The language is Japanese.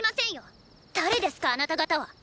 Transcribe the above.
誰ですかあなた方は？